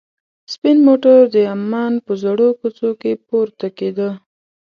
سپین موټر د عمان په زړو کوڅو کې پورته کېده.